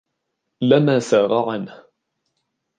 لَمَا سَارَ عَنْهُ